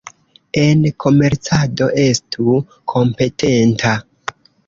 En komercado, estu kompetenta.